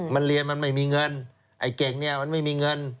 มันเรียนมันไม่มีเงินไอ้เก่งเนี่ยมันไม่มีเงิน